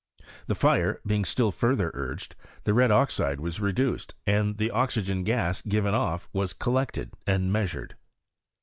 The fire being still further urged, » red oxide was reduced, and the oxygen gas retk off was collected and measured.